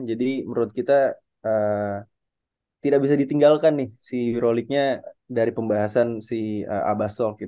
jadi menurut kita tidak bisa ditinggalkan nih si euroleague nya dari pembahasan si abbas sok